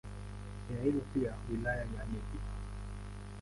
Inaitwa pia "Wilaya ya Nithi".